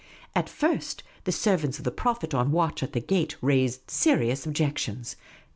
At first, the servants of tlie Prophet on watch at the gate raised serious objections.